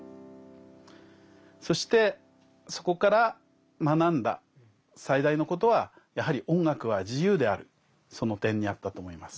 そしてそこから学んだ最大のことはやはりその点にあったと思います。